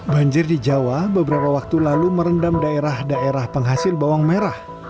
banjir di jawa beberapa waktu lalu merendam daerah daerah penghasil bawang merah